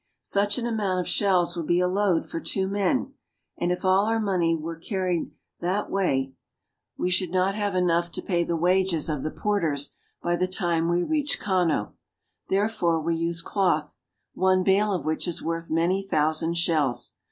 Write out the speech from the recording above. Such an amount of shells would be a load for two men, and if all our money were carried that way, we CARP. AFRICA — JJ I I7Q AFRICA should not have enough to pay the wages of the porters by the time we reached Kano. Therefore we use cloth, one bale of which is worth many thousand shells.